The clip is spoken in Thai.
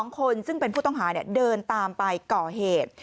๒คนซึ่งเป็นผู้ต้องหาเดินตามไปก่อเหตุ